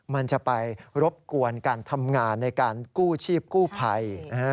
มันจะไปรบกวนการทำงานในการกู้ชีพกู้ภัย